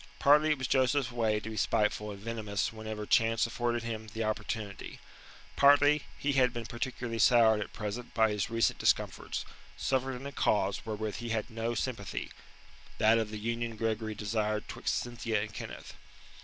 Partly it was Joseph's way to be spiteful and venomous whenever chance afforded him the opportunity. Partly he had been particularly soured at present by his recent discomforts, suffered in a cause wherewith he had no, sympathy that of the union Gregory desired 'twixt Cynthia and Kenneth.